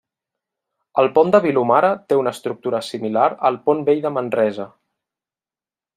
El Pont de Vilomara té una estructura similar al Pont Vell de Manresa.